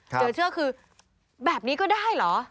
เจอเชือกคือแบบนี้ก็ได้เหรอ